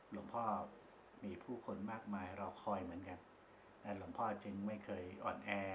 หลวงพ่อมีผู้คนมากมายรอคอยเหมือนกันและหลวงพ่อจึงไม่เคยอ่อนแอ